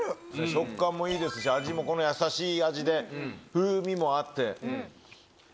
食感もいいですし味もこのやさしい味で風味もあって。